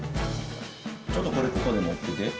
ちょっとこれここでもってて。